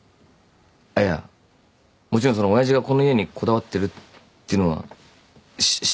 あっいやもちろんその親父がこの家にこだわってるっていうのはしっ知ってるよ。